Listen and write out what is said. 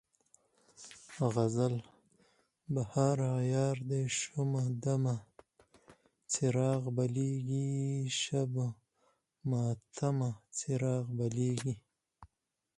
غزل: بهار عیار ده شومه دمه، چراغ بلیږي شبِ ماتمه، چراغ بلیږي